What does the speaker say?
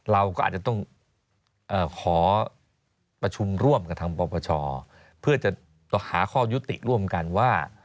เราก็อาจจะต้องขอประชุมร่วมกับทางปปชเพื่อจะหาข้อยุติร่วมกันว่า